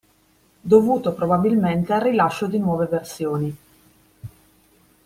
Dovuto probabilmente al rilascio di nuove versioni.